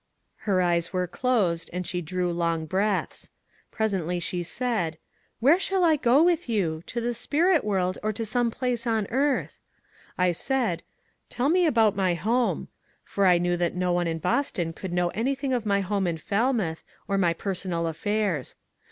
Her eyes were closed, and she drew long breaths. Presently she cried, ^^ Where shall I go with you : to the spirit world or to some place on earth ?" I said, *^ Tell me about my home," for I knew that no one in Boston could know anything of my home in Falmouth or my personal affairs.